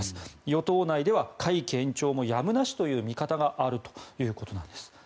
与党内では、会期延長もやむなしという見方があるということなんです。